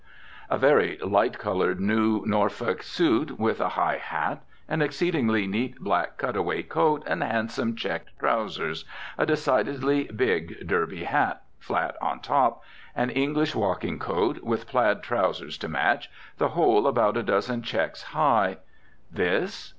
A very light coloured new Norfolk suit, with a high hat; an exceedingly neat black cutaway coat and handsome checked trowsers, a decidedly big derby hat (flat on top), an English walking coat, with plaid trowsers to match, the whole about a dozen checks high. This?